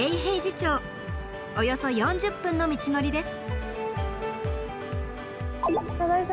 およそ４０分の道のりです。